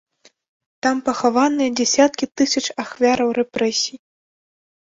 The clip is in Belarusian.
Там пахаваныя дзясяткі тысяч ахвяраў рэпрэсій.